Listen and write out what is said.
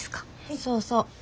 そうそう。